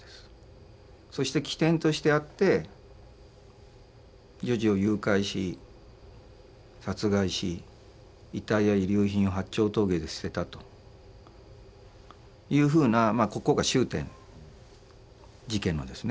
そして起点としてあって女児を誘拐し殺害し遺体や遺留品を八丁峠で捨てたというふうなここが終点事件のですね